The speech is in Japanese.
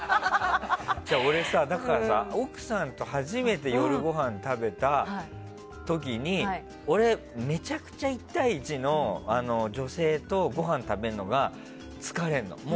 俺さ、奥さんと初めて夜ごはん食べた時に俺、めちゃくちゃ１対１の女性とごはん食べるのが疲れるの。